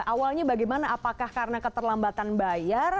awalnya bagaimana apakah karena keterlambatan bayar